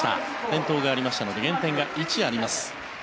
転倒がありましたので減点が１あります。